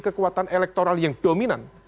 kekuatan elektoral yang dominan